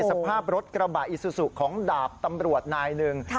สภาพรถกระบะอิซูซุของดาบตำรวจนายหนึ่ง